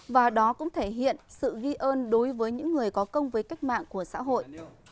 và đó cũng thể hiện sự ghi ơn đối với những người có công với cách mạng của xã hội